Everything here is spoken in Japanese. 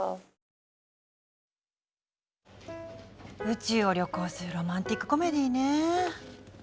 宇宙を旅行するロマンチックコメディーね。